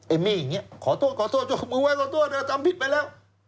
เอมมี่อย่างนี้ขอโทษจบมือไว้ขอโทษทำผิดไปแล้ว